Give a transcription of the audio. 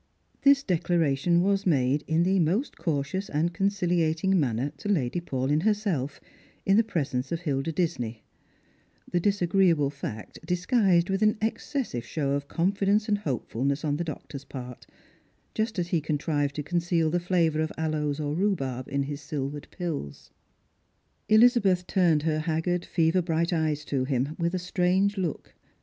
This declaration was made, in the most cautious and concili ating manner, to Lady Paulyn herself, in the presence of Hilda Disney ; the disagreeable fact disgiiised with an excessive show of confidence and hopefulness on the doctor's part, just as he ^^ntrived to conceal the flavour of aloes or rhubarb in his silvered pills. Elizabeth turned her haggard fever bright eyes to him with a Bti'ange look.